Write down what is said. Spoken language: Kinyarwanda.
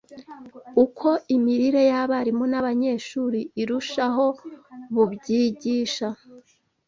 Uko imirire y’abarimu n’abanyeshuri irushaho bubyigisha